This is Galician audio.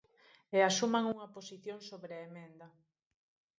E asuman unha posición sobre a emenda.